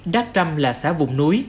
đắc trăm là xã vùng núi